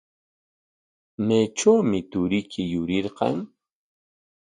¿Maytrawmi turiyki yurirqan?